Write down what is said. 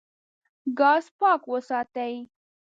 ګاز پاک وساتئ.